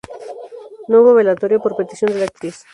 No hubo velatorio, por petición de la actriz.